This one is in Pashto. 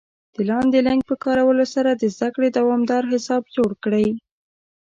د لاندې لینک په کارولو سره د زده کړې دوامدار حساب جوړ کړئ